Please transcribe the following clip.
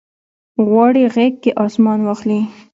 غواړي غیږ کې اسمان واخلي